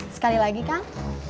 sekali lagi kan